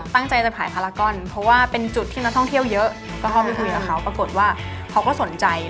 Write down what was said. ตั้งใจจะขายพารากอนเพราะว่าเป็นจุดที่นักท่องเที่ยวเยอะก็เข้าไปคุยกับเขาปรากฏว่าเขาก็สนใจ